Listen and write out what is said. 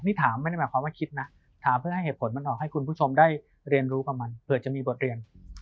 นี่ถามไม่ได้หมายความว่าคิดนะถามเพื่อให้เหตุผลมันออกให้คุณผู้ชมได้เรียนรู้กับมันเผื่อจะมีบทเรียน